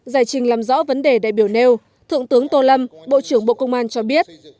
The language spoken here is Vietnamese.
giải trình làm rõ vấn đề đại biểu nêu thượng tướng tô lâm bộ trưởng bộ công an cho biết